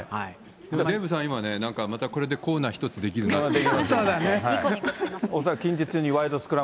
デーブさん、今ね、なんかまたこれでコーナー１つできるなって。